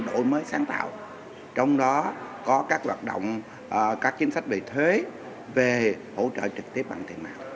đổi mới sáng tạo trong đó có các hoạt động các chính sách về thuế về hỗ trợ trực tiếp bằng tiền mạng